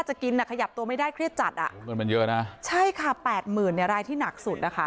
ใช่ค่ะ๘๐๐๐๐บาทรายที่หนักสุด